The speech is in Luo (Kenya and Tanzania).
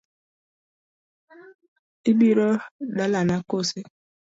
Ibiro dalana koso?